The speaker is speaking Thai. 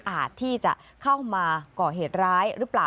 ที่จะเข้ามาก่อเหตุร้ายหรือเปล่า